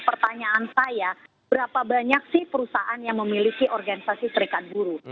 pertanyaan saya berapa banyak sih perusahaan yang memiliki organisasi serikat buruh